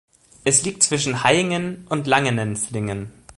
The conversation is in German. Es liegt zwischen Hayingen und Langenenslingen.